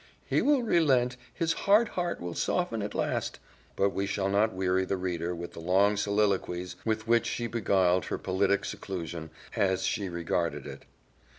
"He will relent; his hard heart will soften at last " But we shall not weary the reader with the long soliloquies with which she beguiled her politic seclusion, as she regarded it.